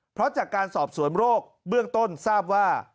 เพราะจากการสอบสวนโรคเบื้องต้นทราบว่า